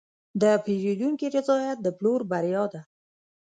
د پیرودونکي رضایت د پلور بریا ده.